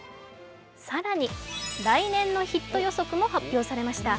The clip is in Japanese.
更に来年のヒット予測も発表されました。